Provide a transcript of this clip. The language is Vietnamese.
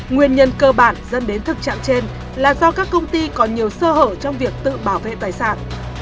nguyên nhân cơ bản dẫn đến thực trạng trên là do các công ty có nhiều sơ hở trong việc tự bảo vệ tài sản